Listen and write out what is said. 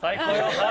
はい！